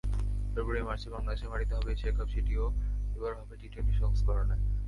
ফেব্রুয়ারি-মার্চে বাংলাদেশের মাটিতে হবে এশিয়া কাপ, সেটিও এবার হবে টি-টোয়েন্টি সংস্করণে।